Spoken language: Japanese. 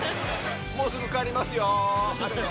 もうすぐ帰りますよ。